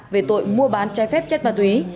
về tội mua bán trái phép chất ma túy